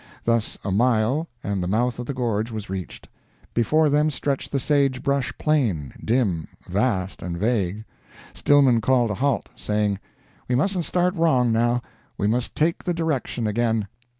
Thus a mile, and the mouth of the gorge was reached; before them stretched the sagebrush plain, dim, vast, and vague. Stillman called a halt, saying, "We mustn't start wrong, now; we must take the direction again."